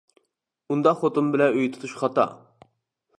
ئۇنداق خوتۇن بىلەن ئۆي تۇتۇش خاتا.